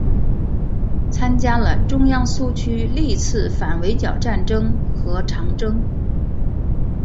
参加了中央苏区历次反围剿战争和长征。